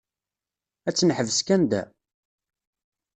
Ad tt-neḥbes kan da?